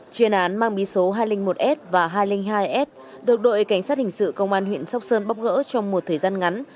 chuyên án mang bí số hai trăm linh một s và hai trăm linh hai s được đội cảnh sát hình sự công an huyện sóc sơn bóc gỡ trong một thời gian ngắn